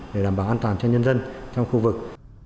để đảm bảo an toàn cho nhân dân trong khu vực